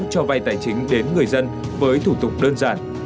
cho vay tài chính đến người dân với thủ tục đơn giản